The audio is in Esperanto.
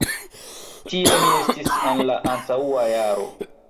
Tie mi estis en la antaŭa jaro.